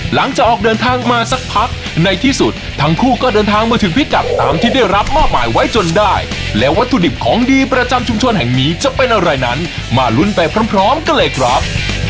หลังจากออกเดินทางมาสักพักในที่สุดทั้งคู่ก็เดินทางมาถึงพิกัดตามที่ได้รับมอบหมายไว้จนได้และวัตถุดิบของดีประจำชุมชนแห่งนี้จะเป็นอะไรนั้นมาลุ้นไปพร้อมกันเลยครับ